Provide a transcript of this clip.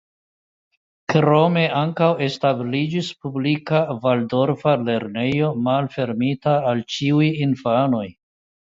Krome ankaŭ establiĝis publika valdorfa lernejo malferma al ĉiuj infanoj.